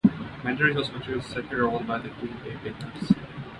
Mandarich was selected second overall by the Green Bay Packers.